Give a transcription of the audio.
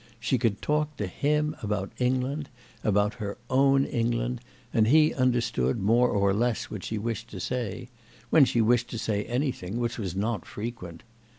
She could talk to him about England, about her own England, and he understood more or less what she wished to say—when she wished to say anything, which was not frequent.